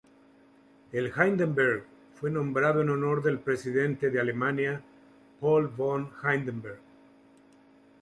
El "Hindenburg" fue nombrado en honor del Presidente de Alemania Paul von Hindenburg.